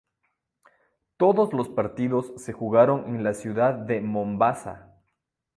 Todos los partidos se jugaron en la ciudad de Mombasa.